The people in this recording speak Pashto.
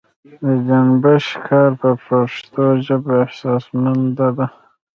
د جنبش کار پر پښتو ژبه احسانمندي ده.